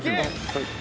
はい。